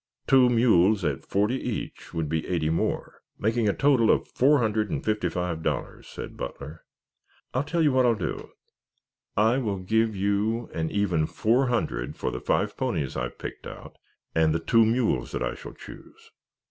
Two mules at forty each would be eighty more, making a total of four hundred and fifty five dollars," said Butler. "I'll tell you what I will do. I will give you an even four hundred for the five ponies I have picked out and the two mules that I shall choose."